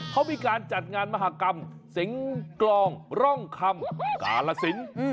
เขามีการจัดงานมหากรรมสิงกลองร่องคำกาลสิน